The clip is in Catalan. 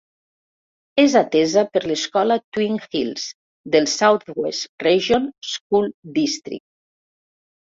És atesa per l'escola Twin Hills del Southwest Region School District.